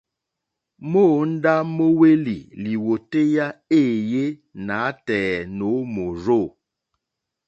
Móǒndá mówélì lìwòtéyá éèyé nǎtɛ̀ɛ̀ nǒ mòrzô.